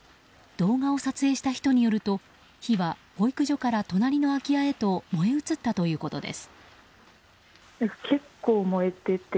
動画を撮影した人によると火は保育所から隣の空家へと燃え移ったということです。